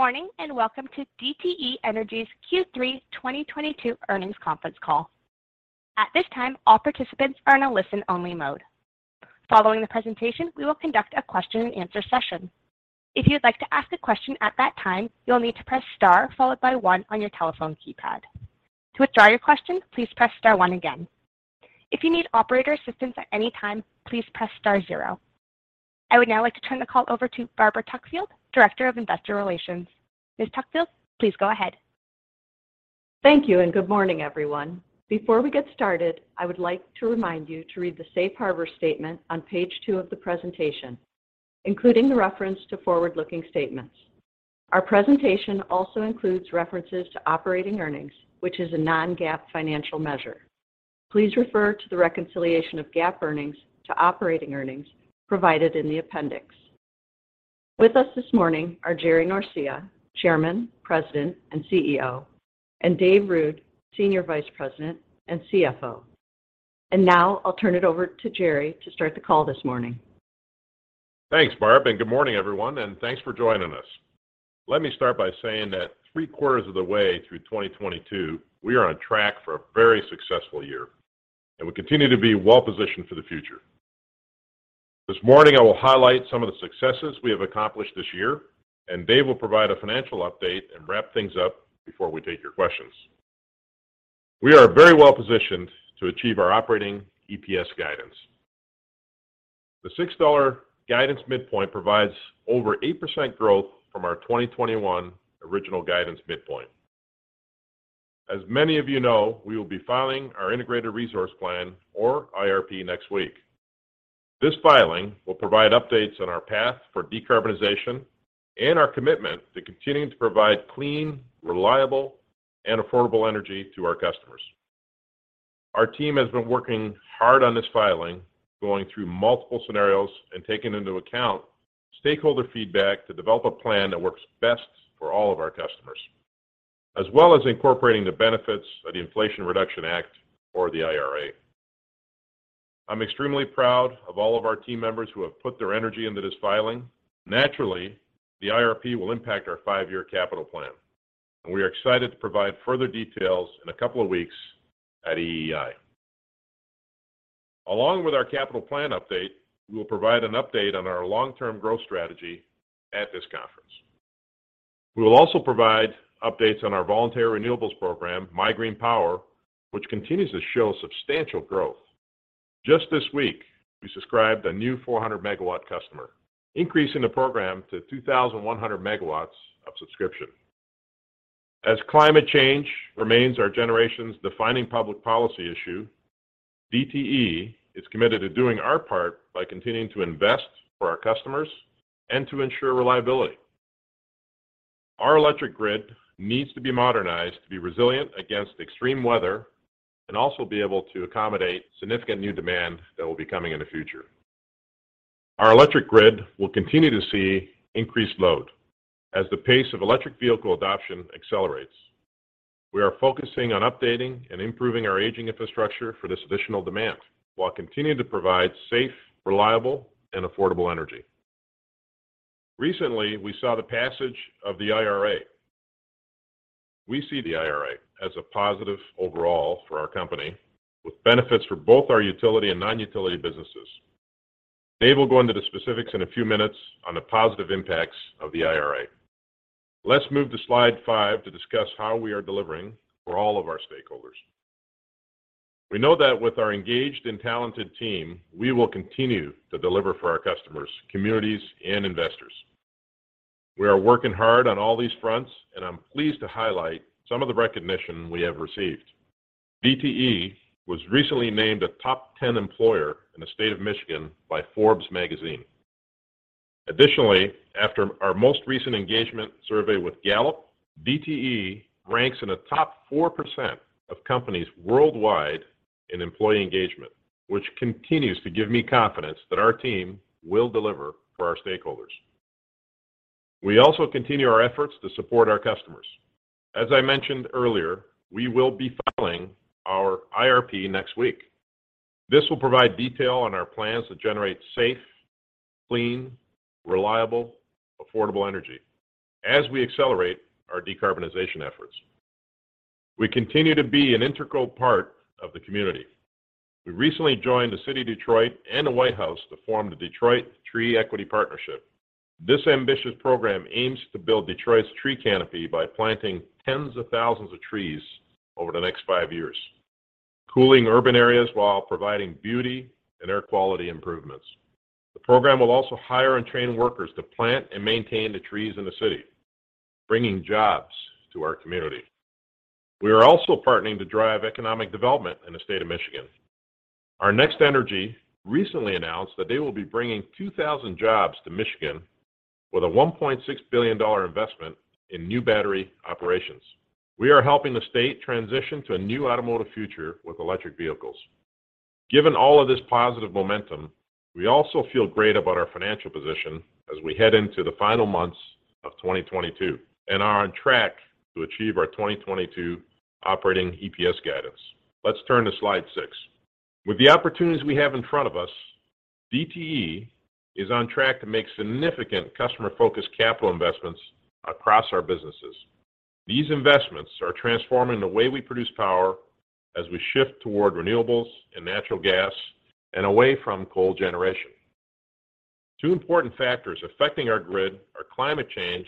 Good morning, and welcome to DTE Energy's Q3 2022 Earnings Conference Call. At this time, all participants are in a listen-only mode. Following the presentation, we will conduct a question-and-answer session. If you'd like to ask a question at that time, you'll need to press star followed by one on your telephone keypad. To withdraw your question, please press star one again. If you need operator assistance at any time, please press star zero. I would now like to turn the call over to Barbara Tuckfield, Director of Investor Relations. Ms. Tuckfield, please go ahead. Thank you, and good morning, everyone. Before we get started, I would like to remind you to read the safe harbor statement on page two of the presentation, including the reference to forward-looking statements. Our presentation also includes references to operating earnings, which is a non-GAAP financial measure. Please refer to the reconciliation of GAAP earnings to operating earnings provided in the appendix. With us this morning are Jerry Norcia, Chairman, President, and CEO, and David Ruud, Executive Vice President and Chief Financial Officer. Now I'll turn it over to Jerry to start the call this morning. Thanks, Barb, and good morning, everyone, and thanks for joining us. Let me start by saying that three-quarters of the way through 2022, we are on track for a very successful year, and we continue to be well-positioned for the future. This morning, I will highlight some of the successes we have accomplished this year, and Dave will provide a financial update and wrap things up before we take your questions. We are very well-positioned to achieve our operating EPS guidance. The $6 guidance midpoint provides over 8% growth from our 2021 original guidance midpoint. As many of you know, we will be filing our integrated resource plan or IRP next week. This filing will provide updates on our path for decarbonization and our commitment to continuing to provide clean, reliable, and affordable energy to our customers. Our team has been working hard on this filing, going through multiple scenarios and taking into account stakeholder feedback to develop a plan that works best for all of our customers, as well as incorporating the benefits of the Inflation Reduction Act or the IRA. I'm extremely proud of all of our team members who have put their energy into this filing. Naturally, the IRP will impact our five-year capital plan, and we are excited to provide further details in a couple of weeks at EEI. Along with our capital plan update, we will provide an update on our long-term growth strategy at this conference. We will also provide updates on our voluntary renewables program, MIGreenPower, which continues to show substantial growth. Just this week, we subscribed a new 400 MW customer, increasing the program to 2,100 MW of subscription. As climate change remains our generation's defining public policy issue, DTE is committed to doing our part by continuing to invest for our customers and to ensure reliability. Our electric grid needs to be modernized to be resilient against extreme weather and also be able to accommodate significant new demand that will be coming in the future. Our electric grid will continue to see increased load as the pace of electric vehicle adoption accelerates. We are focusing on updating and improving our aging infrastructure for this additional demand while continuing to provide safe, reliable, and affordable energy. Recently, we saw the passage of the IRA. We see the IRA as a positive overall for our company, with benefits for both our utility and non-utility businesses. Dave will go into the specifics in a few minutes on the positive impacts of the IRA. Let's move to slide five to discuss how we are delivering for all of our stakeholders. We know that with our engaged and talented team, we will continue to deliver for our customers, communities, and investors. We are working hard on all these fronts, and I'm pleased to highlight some of the recognition we have received. DTE was recently named a top 10 employer in the state of Michigan by Forbes magazine. Additionally, after our most recent engagement survey with Gallup, DTE ranks in the top 4% of companies worldwide in employee engagement, which continues to give me confidence that our team will deliver for our stakeholders. We also continue our efforts to support our customers. As I mentioned earlier, we will be filing our IRP next week. This will provide detail on our plans to generate safe, clean, reliable, affordable energy as we accelerate our decarbonization efforts. We continue to be an integral part of the community. We recently joined the City of Detroit and the White House to form the Detroit Tree Equity Partnership. This ambitious program aims to build Detroit's tree canopy by planting tens of thousands of trees over the next five years, cooling urban areas while providing beauty and air quality improvements. The program will also hire and train workers to plant and maintain the trees in the city, bringing jobs to our community. We are also partnering to drive economic development in the state of Michigan. Our Next Energy recently announced that they will be bringing 2,000 jobs to Michigan with a $1.6 billion investment in new battery operations. We are helping the state transition to a new automotive future with electric vehicles. Given all of this positive momentum, we also feel great about our financial position as we head into the final months of 2022 and are on track to achieve our 2022 operating EPS guidance. Let's turn to slide six. With the opportunities we have in front of us. DTE is on track to make significant customer-focused capital investments across our businesses. These investments are transforming the way we produce power as we shift toward renewables and natural gas and away from coal generation. Two important factors affecting our grid are climate change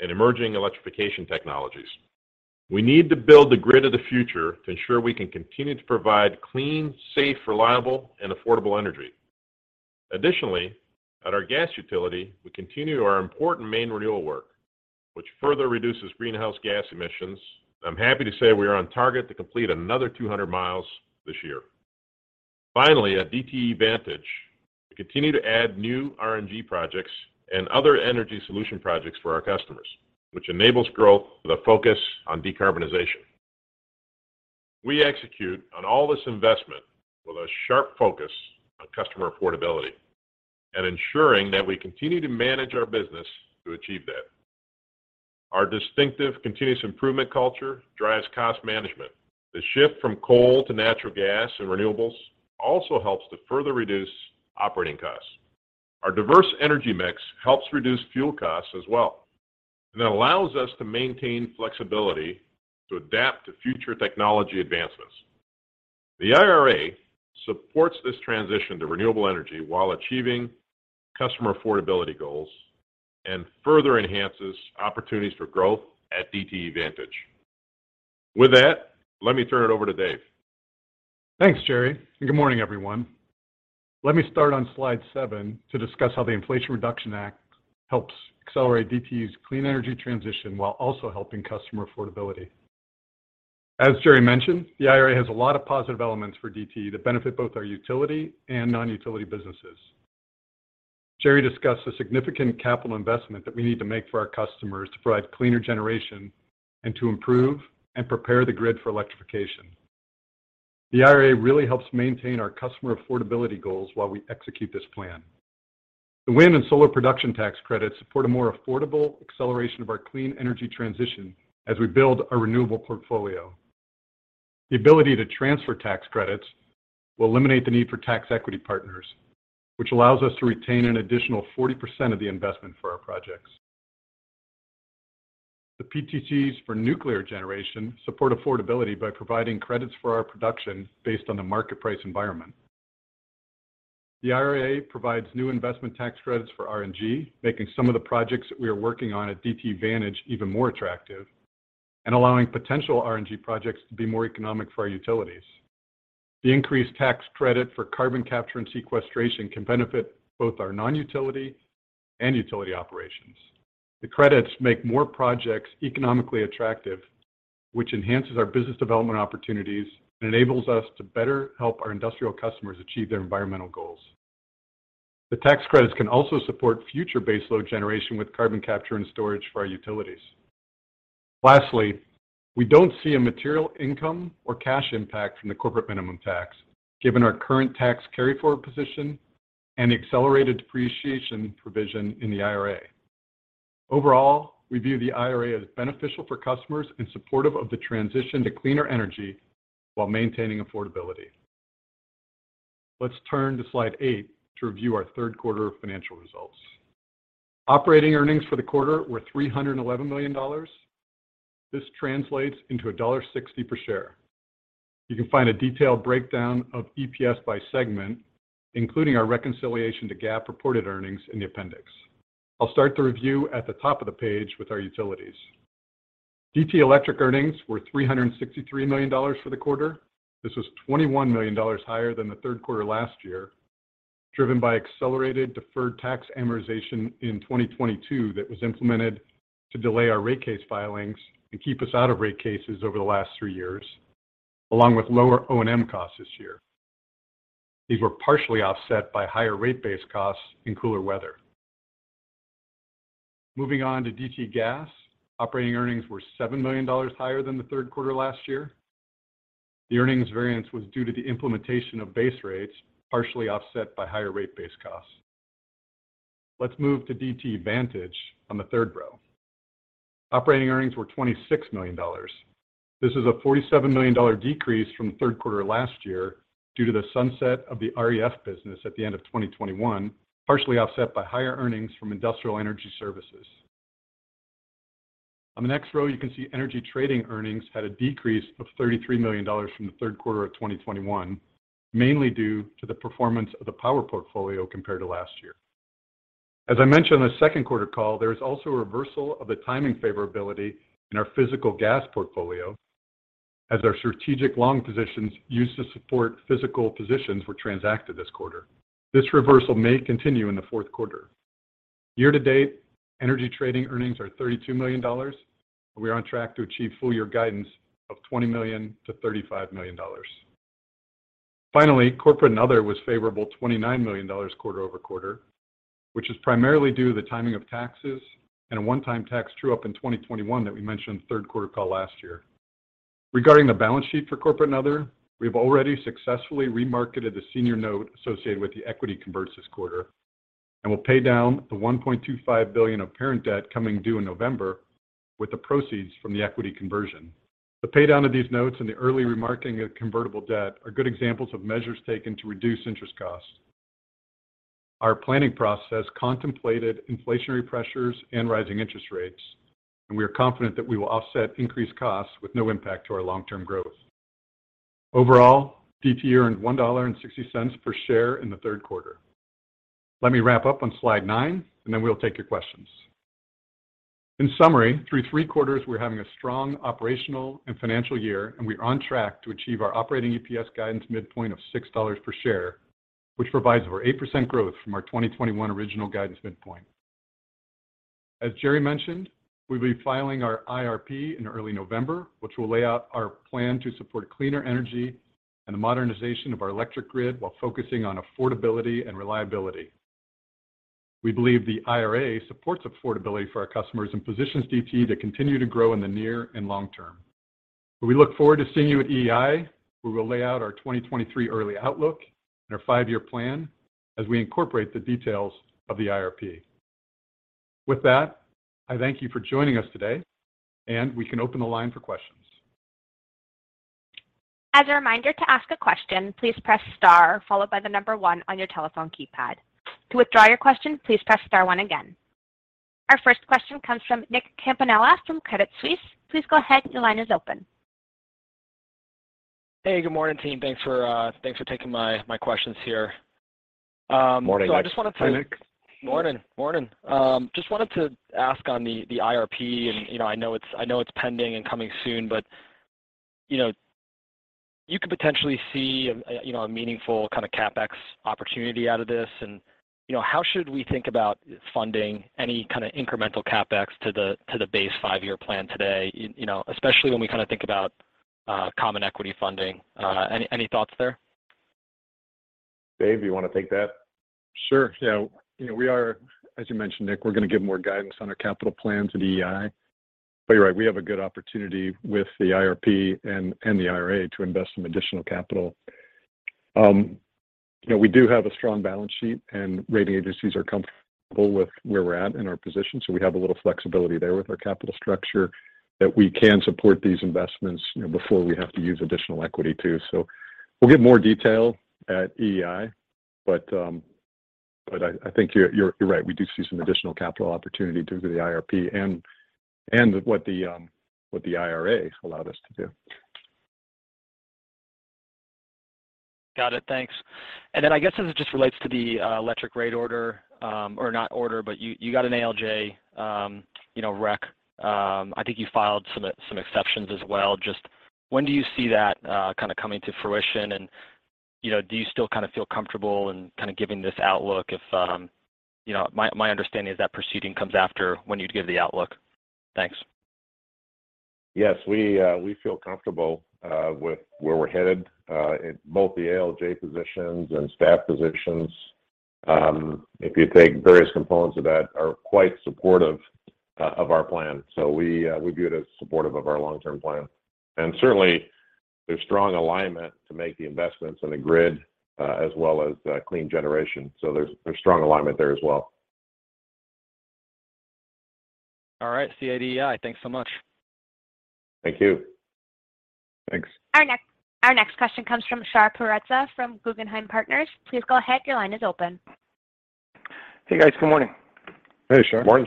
and emerging electrification technologies. We need to build the grid of the future to ensure we can continue to provide clean, safe, reliable, and affordable energy. Additionally, at our gas utility, we continue our important main renewal work, which further reduces greenhouse gas emissions. I'm happy to say we are on target to complete another 200 miles this year. Finally, at DTE Vantage, we continue to add new RNG projects and other energy solution projects for our customers, which enables growth with a focus on decarbonization. We execute on all this investment with a sharp focus on customer affordability and ensuring that we continue to manage our business to achieve that. Our distinctive continuous improvement culture drives cost management. The shift from coal to natural gas and renewables also helps to further reduce operating costs. Our diverse energy mix helps reduce fuel costs as well, and it allows us to maintain flexibility to adapt to future technology advancements. The IRA supports this transition to renewable energy while achieving customer affordability goals and further enhances opportunities for growth at DTE Vantage. With that, let me turn it over to Dave. Thanks, Jerry, and good morning, everyone. Let me start on slide seven to discuss how the Inflation Reduction Act helps accelerate DTE's clean energy transition while also helping customer affordability. As Jerry mentioned, the IRA has a lot of positive elements for DTE that benefit both our utility and non-utility businesses. Jerry discussed the significant capital investment that we need to make for our customers to provide cleaner generation and to improve and prepare the grid for electrification. The IRA really helps maintain our customer affordability goals while we execute this plan. The wind and solar production tax credits support a more affordable acceleration of our clean energy transition as we build our renewable portfolio. The ability to transfer tax credits will eliminate the need for tax equity partners, which allows us to retain an additional 40% of the investment for our projects. The PTCs for nuclear generation support affordability by providing credits for our production based on the market price environment. The IRA provides new investment tax credits for RNG, making some of the projects that we are working on at DTE Vantage even more attractive and allowing potential RNG projects to be more economic for our utilities. The increased tax credit for carbon capture and sequestration can benefit both our non-utility and utility operations. The credits make more projects economically attractive, which enhances our business development opportunities and enables us to better help our industrial customers achieve their environmental goals. The tax credits can also support future baseload generation with carbon capture and storage for our utilities. Lastly, we don't see a material income or cash impact from the corporate minimum tax, given our current tax carry-forward position and accelerated depreciation provision in the IRA. Overall, we view the IRA as beneficial for customers and supportive of the transition to cleaner energy while maintaining affordability. Let's turn to slide eight to review our third quarter financial results. Operating earnings for the quarter were $311 million. This translates into $1.60 per share. You can find a detailed breakdown of EPS by segment, including our reconciliation to GAAP reported earnings in the appendix. I'll start the review at the top of the page with our utilities. DTE Electric earnings were $363 million for the quarter. This was $21 million higher than the third quarter last year, driven by accelerated deferred tax amortization in 2022 that was implemented to delay our rate case filings and keep us out of rate cases over the last three years, along with lower O&M costs this year. These were partially offset by higher rate-based costs and cooler weather. Moving on to DTE Gas. Operating earnings were $7 million higher than the third quarter last year. The earnings variance was due to the implementation of base rates, partially offset by higher rate-based costs. Let's move to DTE Vantage on the third row. Operating earnings were $26 million. This is a $47 million decrease from the third quarter last year due to the sunset of the REF business at the end of 2021, partially offset by higher earnings from industrial energy services. On the next row, you can see energy trading earnings had a decrease of $33 million from the third quarter of 2021, mainly due to the performance of the power portfolio compared to last year. As I mentioned on the second quarter call, there is also a reversal of the timing favorability in our physical gas portfolio as our strategic long positions used to support physical positions were transacted this quarter. This reversal may continue in the fourth quarter. Year to date, energy trading earnings are $32 million. We are on track to achieve full year guidance of $20 million-$35 million. Finally, corporate and other was favorable $29 million quarter-over-quarter, which is primarily due to the timing of taxes and a one-time tax true-up in 2021 that we mentioned in the third quarter call last year. Regarding the balance sheet for corporate and other, we have already successfully remarketed the senior note associated with the equity converts this quarter. We'll pay down the $1.25 billion of parent debt coming due in November with the proceeds from the equity conversion. The pay down of these notes and the early remarketing of convertible debt are good examples of measures taken to reduce interest costs. Our planning process contemplated inflationary pressures and rising interest rates, and we are confident that we will offset increased costs with no impact to our long-term growth. Overall, DTE earned $1.60 per share in the third quarter. Let me wrap up on slide nine, and then we'll take your questions. In summary, through three quarters, we're having a strong operational and financial year, and we're on track to achieve our operating EPS guidance midpoint of $6 per share, which provides over 8% growth from our 2021 original guidance midpoint. As Jerry mentioned, we'll be filing our IRP in early November, which will lay out our plan to support cleaner energy and the modernization of our electric grid while focusing on affordability and reliability. We believe the IRA supports affordability for our customers and positions DTE to continue to grow in the near and long term. We look forward to seeing you at EEI, where we'll lay out our 2023 early outlook and our five-year plan as we incorporate the details of the IRP. With that, I thank you for joining us today, and we can open the line for questions. As a reminder to ask a question, please press star followed by the number one on your telephone keypad. To withdraw your question, please press star one again. Our first question comes from Nicholas Campanella from Credit Suisse. Please go ahead. Your line is open. Hey, good morning, team. Thanks for taking my questions here. I just wanted to- Morning, Nicholas Campanella. Hi, Nick. Morning. Just wanted to ask on the IRP, and you know, I know it's pending and coming soon, but you know, you could potentially see a you know, a meaningful kind of CapEx opportunity out of this. You know, how should we think about funding any kind of incremental CapEx to the base five-year plan today, you know, especially when we kind of think about common equity funding? Any thoughts there? Dave, you want to take that? Sure. Yeah. You know, we are, as you mentioned, Nick, we're going to give more guidance on our capital plans at EEI. You're right, we have a good opportunity with the IRP and the IRA to invest some additional capital. You know, we do have a strong balance sheet, and rating agencies are comfortable with where we're at in our position, so we have a little flexibility there with our capital structure that we can support these investments, you know, before we have to use additional equity too. We'll give more detail at EEI, but I think you're right. We do see some additional capital opportunity due to the IRP and what the IRA allowed us to do. Got it. Thanks. I guess as it just relates to the electric rate order, or not order, but you got an ALJ, you know, rec. I think you filed some exceptions as well. Just when do you see that kind of coming to fruition and, you know, do you still kind of feel comfortable in kind of giving this outlook if you know, my understanding is that proceeding comes after when you'd give the outlook. Thanks. Yes. We feel comfortable with where we're headed. Both the ALJ positions and staff positions, if you take various components of that, are quite supportive of our plan. We view it as supportive of our long-term plan. Certainly, there's strong alignment to make the investments in the grid, as well as clean generation. There's strong alignment there as well. All right. See you at EEI. Thanks so much. Thank you. Thanks. Our next question comes from Shar Pourreza from Guggenheim Partners. Please go ahead. Your line is open. Hey, guys. Good morning. Hey, Shar. Morning,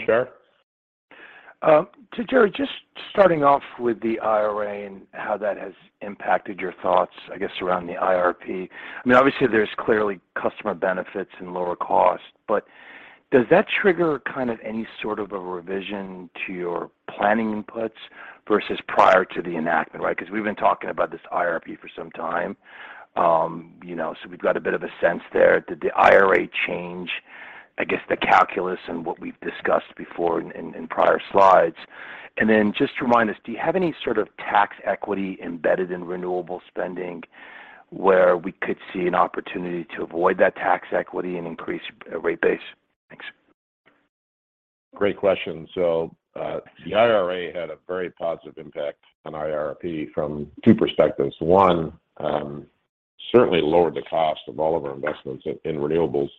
Shar. To Jerry, just starting off with the IRA and how that has impacted your thoughts, I guess, around the IRP. I mean, obviously there's clearly customer benefits and lower cost, but does that trigger kind of any sort of a revision to your planning inputs versus prior to the enactment, right? Because we've been talking about this IRP for some time, you know, so we've got a bit of a sense there. Did the IRA change, I guess, the calculus and what we've discussed before in prior slides? Then just remind us, do you have any sort of tax equity embedded in renewable spending where we could see an opportunity to avoid that tax equity and increase rate base? Thanks. Great question. The IRA had a very positive impact on IRP from two perspectives. One, certainly lowered the cost of all of our investments in renewables,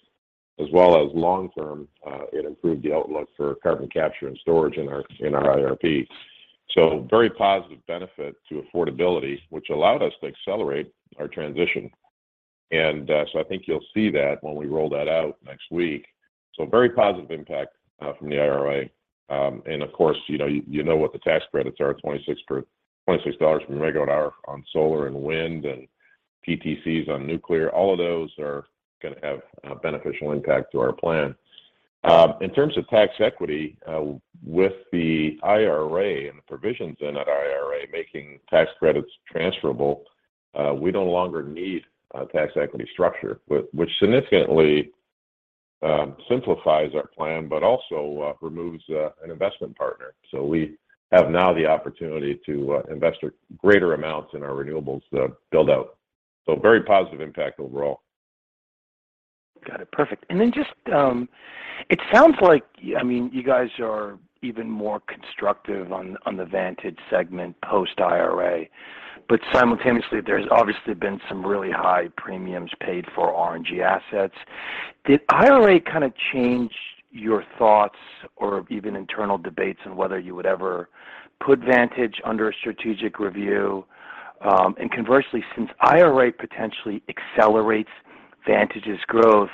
as well as long term, it improved the outlook for carbon capture and storage in our IRP. Very positive benefit to affordability, which allowed us to accelerate our transition. I think you'll see that when we roll that out next week. Very positive impact from the IRA. Of course, you know what the tax credits are, $26 per megawatt hour on solar and wind and PTCs on nuclear. All of those are gonna have a beneficial impact to our plan. In terms of tax equity, with the IRA and the provisions in that IRA making tax credits transferable, we no longer need a tax equity structure which significantly simplifies our plan, but also removes an investment partner. We have now the opportunity to invest a greater amount in our renewables build-out. Very positive impact overall. Got it. Perfect. Just, it sounds like, I mean, you guys are even more constructive on the Vantage segment post IRA. Simultaneously, there's obviously been some really high premiums paid for RNG assets. Did IRA kind of change your thoughts or even internal debates on whether you would ever put Vantage under a strategic review? Conversely, since IRA potentially accelerates Vantage's growth,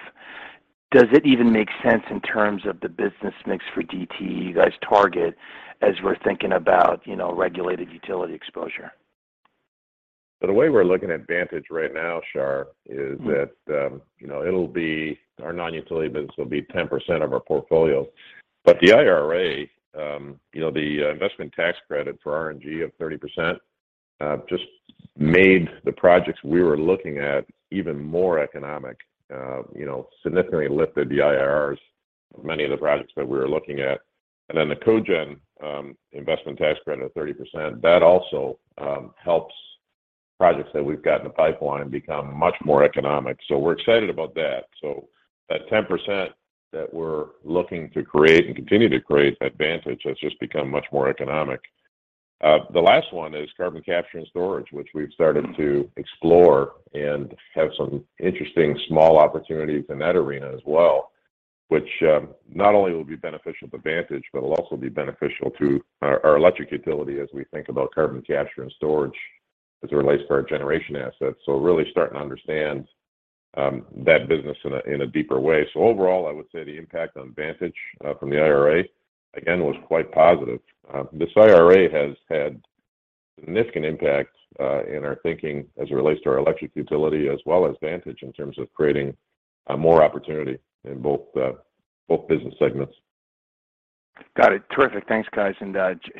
does it even make sense in terms of the business mix for DTE you guys target as we're thinking about, you know, regulated utility exposure? The way we're looking at Vantage right now, Char, is that, you know, it'll be our non-utility business will be 10% of our portfolio. The IRA, you know, the investment tax credit for RNG of 30%, just made the projects we were looking at even more economic, you know, significantly lifted the IRRs of many of the projects that we were looking at. Then the Cogen investment tax credit of 30%, that also helps projects that we've got in the pipeline become much more economic. We're excited about that. That 10% that we're looking to create and continue to create at Vantage has just become much more economic. The last one is carbon capture and storage, which we've started to explore and have some interesting small opportunities in that arena as well, which not only will be beneficial to Vantage, but it'll also be beneficial to our electric utility as we think about carbon capture and storage as it relates to our generation assets. Really starting to understand that business in a deeper way. Overall, I would say the impact on Vantage from the IRA, again, was quite positive. This IRA has had significant impact in our thinking as it relates to our electric utility as well as Vantage in terms of creating more opportunity in both business segments. Got it. Terrific. Thanks, guys.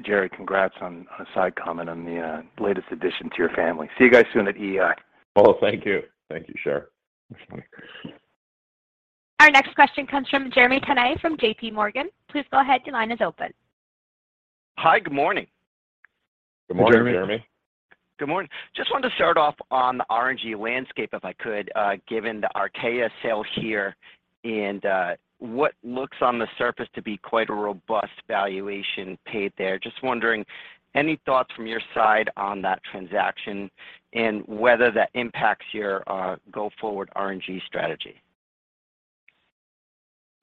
Jerry, congrats on the latest addition to your family. See you guys soon at EEI. Oh, thank you. Thank you, Shar. Our next question comes from Jeremy Tonet from JPMorgan. Please go ahead. Your line is open. Hi. Good morning. Good morning, Jeremy. Good morning. Good morning. Just wanted to start off on the RNG landscape, if I could, given the Archaea sale here and what looks on the surface to be quite a robust valuation paid there. Just wondering, any thoughts from your side on that transaction and whether that impacts your go-forward RNG strategy?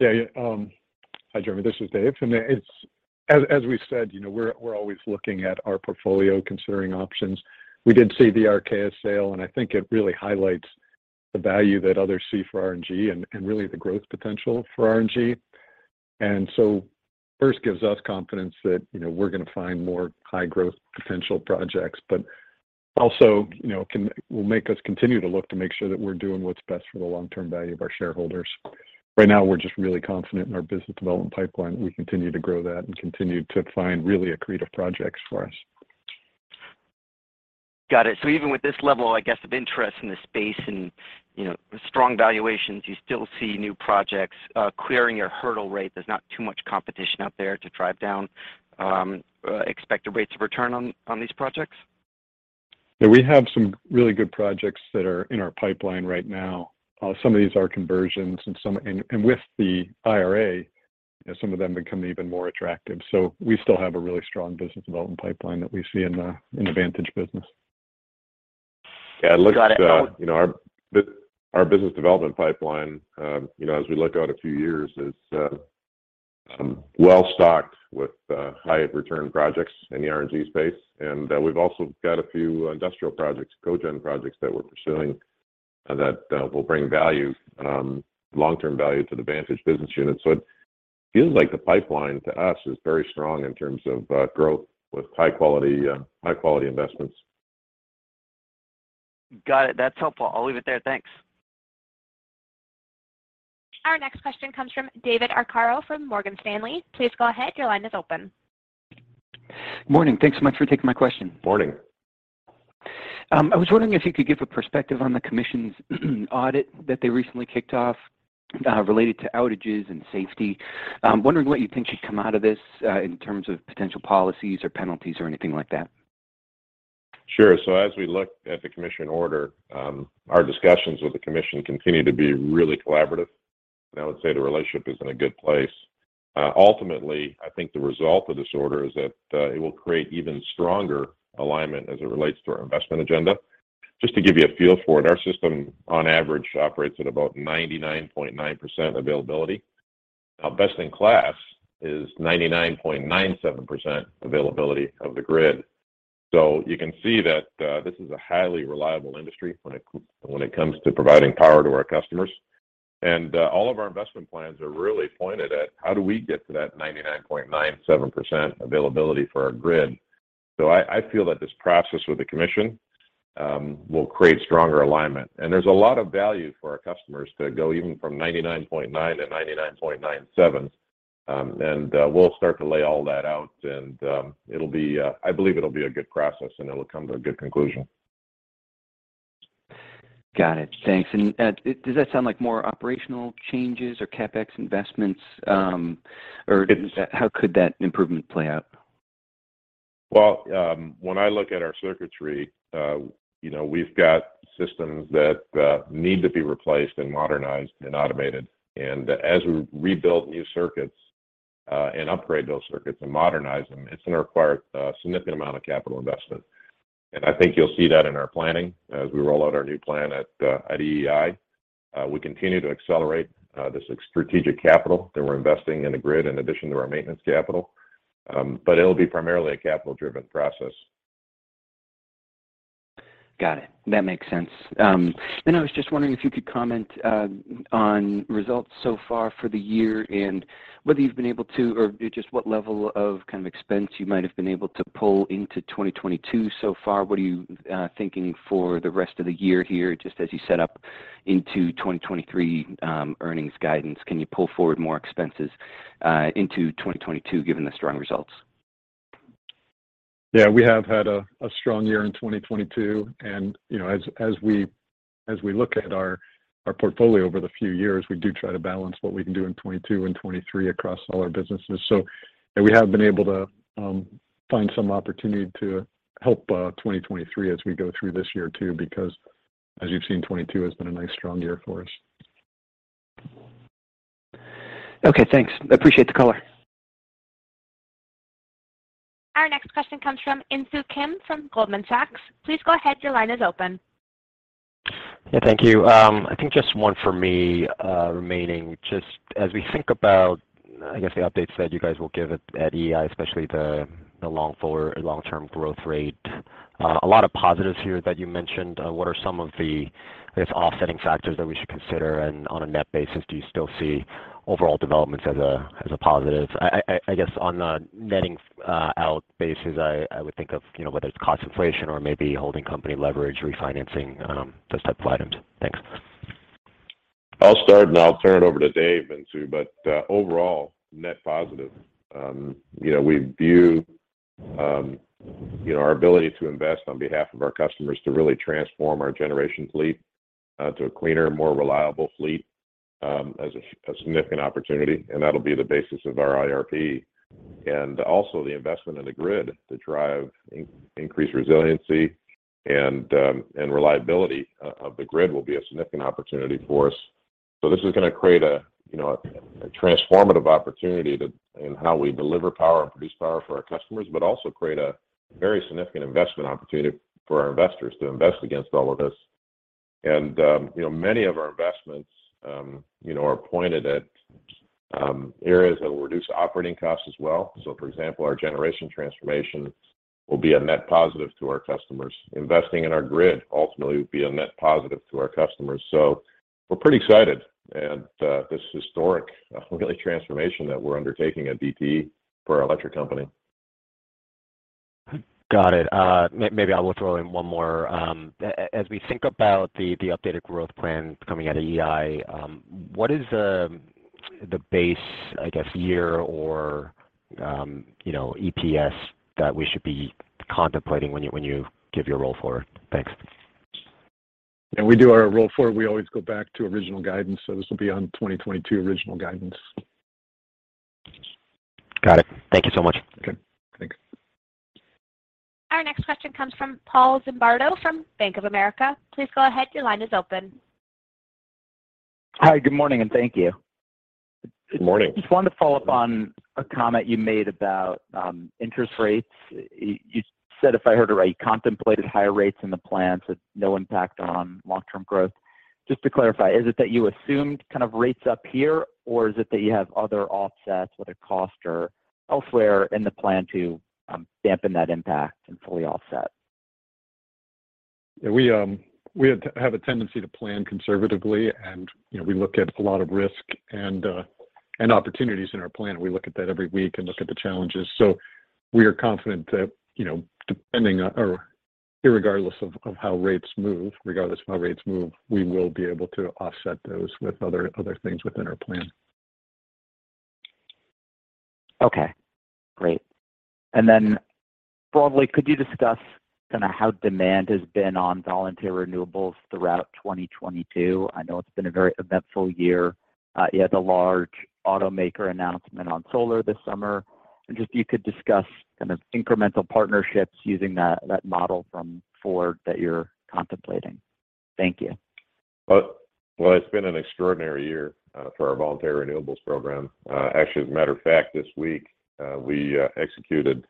Yeah. Hi, Jeremy. This is Dave. I mean, as we said, you know, we're always looking at our portfolio, considering options. We did see the Archaea sale, and I think it really highlights the value that others see for RNG and really the growth potential for RNG. So first gives us confidence that, you know, we're gonna find more high-growth potential projects, but also, you know, will make us continue to look to make sure that we're doing what's best for the long-term value of our shareholders. Right now, we're just really confident in our business development pipeline. We continue to grow that and continue to find really accretive projects for us. Got it. Even with this level, I guess, of interest in this space and, you know, strong valuations, you still see new projects clearing your hurdle rate. There's not too much competition out there to drive down expected rates of return on these projects? Yeah, we have some really good projects that are in our pipeline right now. Some of these are conversions and some with the IRA, you know, some of them become even more attractive. We still have a really strong business development pipeline that we see in the Vantage business. Yeah, it looks. Got it. You know, our business development pipeline, you know, as we look out a few years is well-stocked with high-return projects in the RNG space. We've also got a few industrial projects, Cogen projects that we're pursuing that will bring value, long-term value to the Vantage business unit. It feels like the pipeline to us is very strong in terms of growth with high quality investments. Got it. That's helpful. I'll leave it there. Thanks. Our next question comes from David Arcaro from Morgan Stanley. Please go ahead. Your line is open. Morning. Thanks so much for taking my question. Morning. I was wondering if you could give a perspective on the commission's audit that they recently kicked off, related to outages and safety. I'm wondering what you think should come out of this, in terms of potential policies or penalties or anything like that. Sure. As we look at the commission order, our discussions with the commission continue to be really collaborative, and I would say the relationship is in a good place. Ultimately, I think the result of this order is that, it will create even stronger alignment as it relates to our investment agenda. Just to give you a feel for it, our system on average operates at about 99.9% availability. Our best in class is 99.97% availability of the grid. You can see that, this is a highly reliable industry when it comes to providing power to our customers. All of our investment plans are really pointed at how do we get to that 99.97% availability for our grid. I feel that this process with the commission will create stronger alignment. There's a lot of value for our customers to go even from 99.9%-99.97%. We'll start to lay all that out and it'll be, I believe it'll be a good process, and it will come to a good conclusion. Got it. Thanks. Does that sound like more operational changes or CapEx investments, or how could that improvement play out? Well, when I look at our circuitry, you know, we've got systems that need to be replaced and modernized and automated. As we rebuild new circuits and upgrade those circuits and modernize them, it's gonna require a significant amount of capital investment. I think you'll see that in our planning as we roll out our new plan at EEI. We continue to accelerate this strategic capital that we're investing in the grid in addition to our maintenance capital. It'll be primarily a capital-driven process. Got it. That makes sense. I was just wondering if you could comment on results so far for the year and whether you've been able to or just what level of kind of expense you might have been able to pull into 2022 so far. What are you thinking for the rest of the year here, just as you set up into 2023, earnings guidance? Can you pull forward more expenses into 2022 given the strong results? Yeah. We have had a strong year in 2022. You know, as we look at our portfolio over the few years, we do try to balance what we can do in 2022 and 2023 across all our businesses. We have been able to find some opportunity to help 2023 as we go through this year too, because as you've seen, 2022 has been a nice strong year for us. Okay, thanks. I appreciate the color. Our next question comes from Insoo Kim from Goldman Sachs. Please go ahead. Your line is open. Yeah, thank you. I think just one for me remaining. Just as we think about, I guess, the updates that you guys will give at EEI, especially the long-term growth rate, a lot of positives here that you mentioned. What are some of the, I guess, offsetting factors that we should consider? And on a net basis, do you still see overall developments as a positive? I guess on the netting out basis, I would think of, you know, whether it's cost inflation or maybe holding company leverage, refinancing, those type of items. Thanks. I'll start, and I'll turn it over to Dave, Insoo. Overall, net positive. You know, we view, you know, our ability to invest on behalf of our customers to really transform our generation fleet, to a cleaner, more reliable fleet, as a significant opportunity, and that'll be the basis of our IRP. Also the investment in the grid to drive increased resiliency and reliability of the grid will be a significant opportunity for us. This is gonna create a, you know, a transformative opportunity in how we deliver power and produce power for our customers, but also create a very significant investment opportunity for our investors to invest against all of this. You know, many of our investments, you know, are pointed at, areas that will reduce operating costs as well. For example, our generation transformation will be a net positive to our customers. Investing in our grid ultimately would be a net positive to our customers. We're pretty excited at this historic really transformation that we're undertaking at DTE for our electric company. Got it. Maybe I will throw in one more. As we think about the updated growth plan coming out of EEI, what is the base, I guess, year or you know, EPS that we should be contemplating when you give your roll forward? Thanks. When we do our Q4, we always go back to original guidance, so this will be on 2022 original guidance. Got it. Thank you so much. Okay. Thanks. Our next question comes from Paul Zimbardo from Bank of America. Please go ahead, your line is open. Hi. Good morning, and thank you. Good morning. Just wanted to follow up on a comment you made about interest rates. You said, if I heard it right, you contemplated higher rates in the plan, so no impact on long-term growth. Just to clarify, is it that you assumed kind of rates up here, or is it that you have other offsets, whether cost or elsewhere in the plan to dampen that impact and fully offset? Yeah, we have a tendency to plan conservatively and, you know, we look at a lot of risk and opportunities in our plan. We look at that every week and look at the challenges. We are confident that, you know, regardless of how rates move, we will be able to offset those with other things within our plan. Okay, great. Then broadly, could you discuss kinda how demand has been on voluntary renewables throughout 2022? I know it's been a very eventful year. You had the large automaker announcement on solar this summer. Just if you could discuss kind of incremental partnerships using that model from Ford that you're contemplating. Thank you. Well, it's been an extraordinary year for our voluntary renewables program. Actually, as a matter of fact, this week, we executed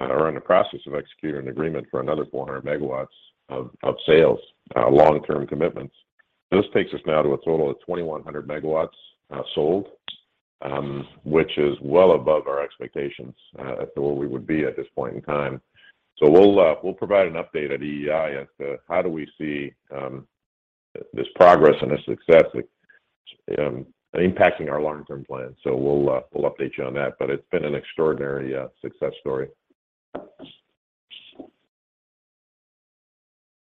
or are in the process of executing an agreement for another 400 MW of sales, long-term commitments. This takes us now to a total of 2,100 MW sold, which is well above our expectations as to where we would be at this point in time. We'll provide an update at EEI as to how do we see this progress and this success impacting our long-term plan. We'll update you on that, but it's been an extraordinary success story.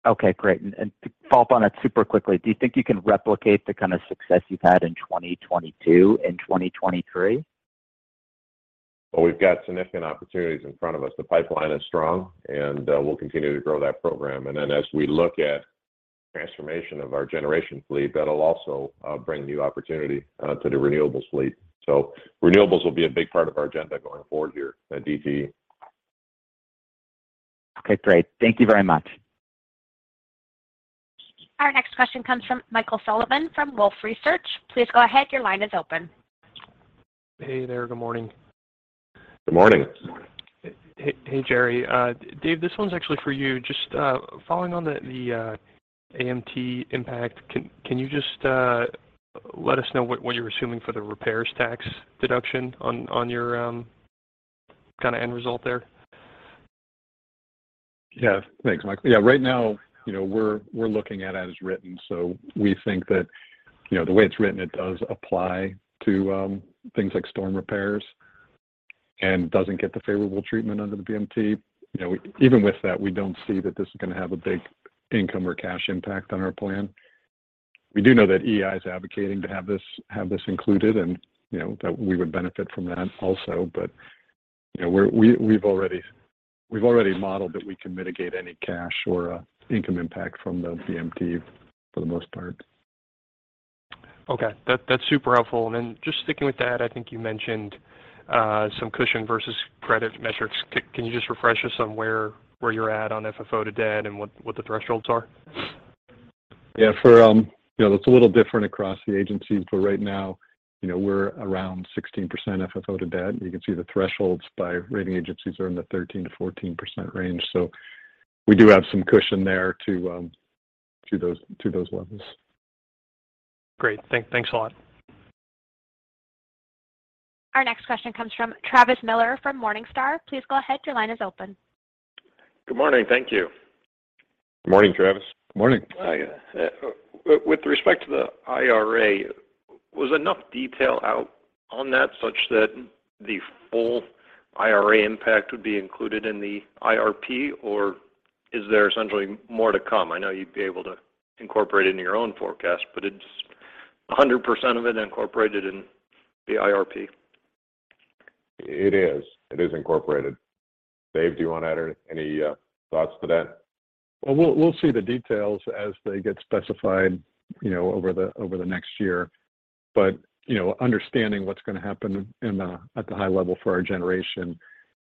Okay, great. To follow up on that super quickly, do you think you can replicate the kind of success you've had in 2022 in 2023? Well, we've got significant opportunities in front of us. The pipeline is strong, and we'll continue to grow that program. Then as we look at transformation of our generation fleet, that'll also bring new opportunity to the renewables fleet. Renewables will be a big part of our agenda going forward here at DTE. Okay, great. Thank you very much. Our next question comes from Michael Sullivan from Wolfe Research. Please go ahead. Your line is open. Hey there. Good morning. Good morning. Hey, Jerry. Dave, this one's actually for you. Just following on the AMT impact, can you just let us know what you're assuming for the repairs tax deduction on your kind of end result there? Yeah. Thanks, Michael. Yeah, right now, you know, we're looking at as written, so we think that, you know, the way it's written, it does apply to things like storm repairs and doesn't get the favorable treatment under the AMT. You know, even with that, we don't see that this is gonna have a big income or cash impact on our plan. We do know that EEI is advocating to have this included and, you know, that we would benefit from that also. You know, we've already modeled that we can mitigate any cash or income impact from the AMT for the most part. Okay. That's super helpful. Just sticking with that, I think you mentioned some cushion versus credit metrics. Can you just refresh us on where you're at on FFO to debt and what the thresholds are? You know, that's a little different across the agencies. Right now, you know, we're around 16% FFO to debt. You can see the thresholds by rating agencies are in the 13%-14% range. We do have some cushion there to those levels. Great. Thanks a lot. Our next question comes from Travis Miller from Morningstar. Please go ahead. Your line is open. Good morning. Thank you. Good morning, Travis. Morning. Hi. With respect to the IRA, was enough detail out on that such that the full IRA impact would be included in the IRP, or is there essentially more to come? I know you'd be able to incorporate it into your own forecast, but is it 100% of it incorporated in the IRP. It is. It is incorporated. Dave, do you want to add any thoughts to that? Well, we'll see the details as they get specified, you know, over the next year. You know, understanding what's going to happen at the high level for our generation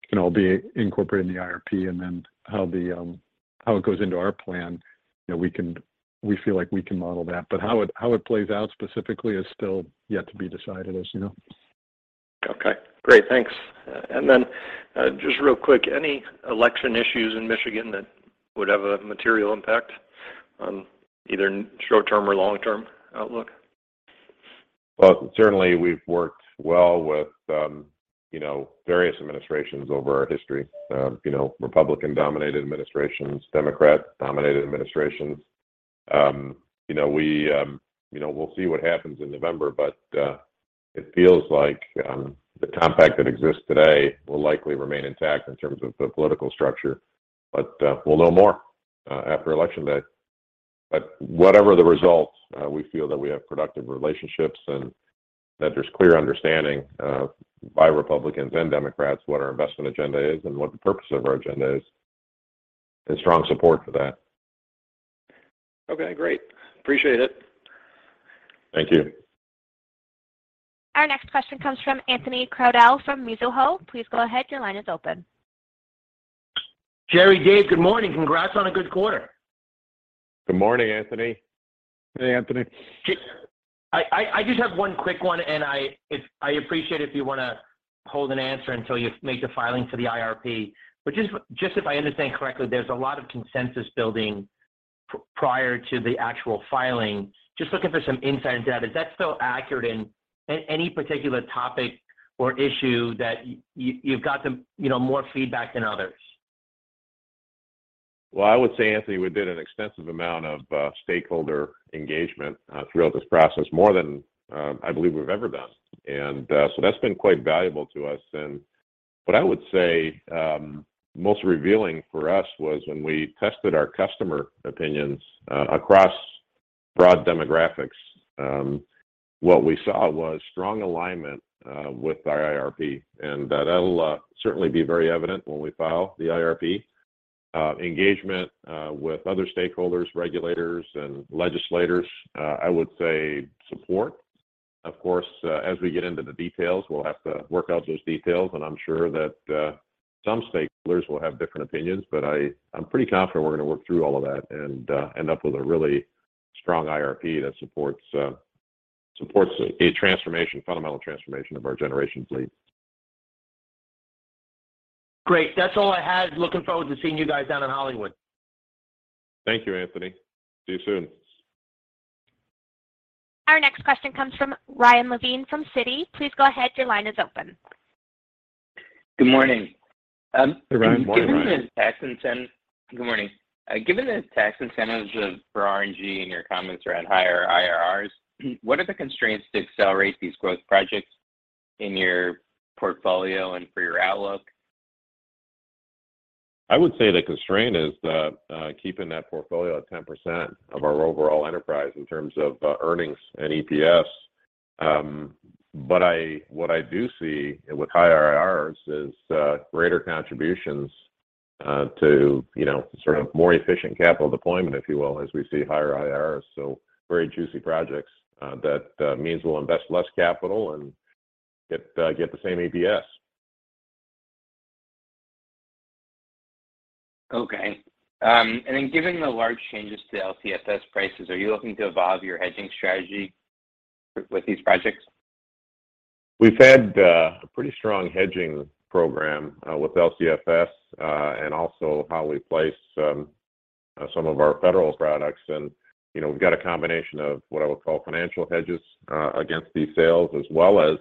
can all be incorporated in the IRP and then how it goes into our plan. You know, we feel like we can model that. How it plays out specifically is still yet to be decided, as you know. Okay, great. Thanks. Just real quick, any election issues in Michigan that would have a material impact on either short-term or long-term outlook? Well, certainly we've worked well with, you know, various administrations over our history. You know, Republican-dominated administrations, Democrat-dominated administrations. You know, we, you know, we'll see what happens in November, but it feels like the compact that exists today will likely remain intact in terms of the political structure. We'll know more after election day. Whatever the results, we feel that we have productive relationships and that there's clear understanding by Republicans and Democrats what our investment agenda is and what the purpose of our agenda is, and strong support for that. Okay, great. Appreciate it. Thank you. Our next question comes from Anthony Crowdell from Mizuho. Please go ahead. Your line is open. Jerry, Dave, good morning. Congrats on a good quarter. Good morning, Anthony. Hey, Anthony. I just have one quick one, and I appreciate if you want to hold an answer until you make the filing for the IRP. Just if I understand correctly, there's a lot of consensus building prior to the actual filing. Just looking for some insight into that. Is that still accurate? Any particular topic or issue that you've got some, you know, more feedback than others? Well, I would say, Anthony, we did an extensive amount of stakeholder engagement throughout this process, more than I believe we've ever done. That's been quite valuable to us. What I would say most revealing for us was when we tested our customer opinions across broad demographics, what we saw was strong alignment with our IRP, and that'll certainly be very evident when we file the IRP. Engagement with other stakeholders, regulators, and legislators, I would say support. Of course, as we get into the details, we'll have to work out those details, and I'm sure that some stakeholders will have different opinions. I'm pretty confident we're going to work through all of that and end up with a really strong IRP that supports a fundamental transformation of our generation fleet. Great. That's all I had. Looking forward to seeing you guys down in Hollywood. Thank you, Anthony. See you soon. Our next question comes from Ryan Levine from Citi. Please go ahead. Your line is open. Good morning. Hey, Ryan. Morning, Ryan. Good morning. Given the tax incentives for RNG and your comments around higher IRRs, what are the constraints to accelerate these growth projects in your portfolio and for your outlook? I would say the constraint is the keeping that portfolio at 10% of our overall enterprise in terms of earnings and EPS. What I do see with high IRRs is greater contributions to, you know, sort of more efficient capital deployment, if you will, as we see higher IRRs. Very juicy projects. That means we'll invest less capital and get the same EPS. Given the large changes to LCFS prices, are you looking to evolve your hedging strategy with these projects? We've had a pretty strong hedging program with LCFS and also how we place some of our federal products. You know, we've got a combination of what I would call financial hedges against these sales, as well as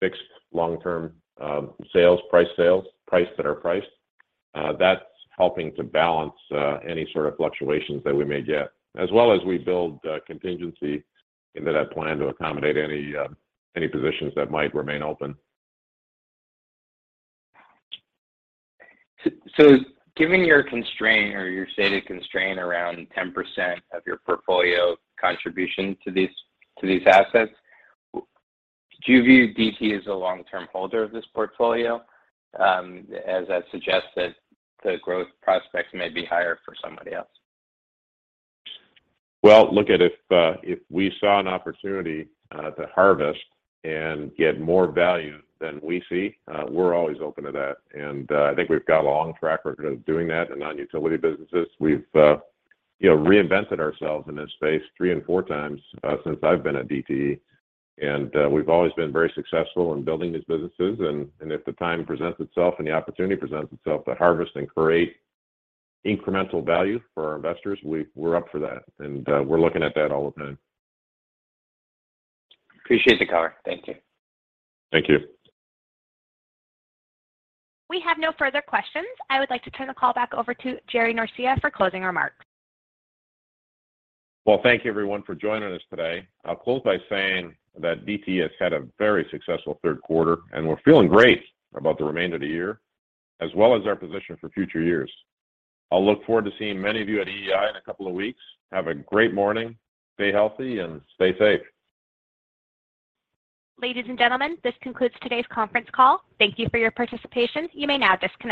fixed long-term sales price that are priced. That's helping to balance any sort of fluctuations that we may get. We build contingency into that plan to accommodate any positions that might remain open. Given your constraint or your stated constraint around 10% of your portfolio contribution to these assets, do you view DTE as a long-term holder of this portfolio? As that suggests that the growth prospects may be higher for somebody else. Well, look, if we saw an opportunity to harvest and get more value than we see, we're always open to that. I think we've got a long track record of doing that in non-utility businesses. We've you know, reinvented ourselves in this space three and four times since I've been at DTE. We've always been very successful in building these businesses. If the time presents itself and the opportunity presents itself to harvest and create incremental value for our investors, we're up for that. We're looking at that all the time. Appreciate the color. Thank you. Thank you. We have no further questions. I would like to turn the call back over to Jerry Norcia for closing remarks. Well, thank you everyone for joining us today. I'll close by saying that DTE has had a very successful third quarter, and we're feeling great about the remainder of the year, as well as our position for future years. I'll look forward to seeing many of you at EEI in a couple of weeks. Have a great morning, stay healthy, and stay safe. Ladies and gentlemen, this concludes today's conference call. Thank you for your participation. You may now disconnect.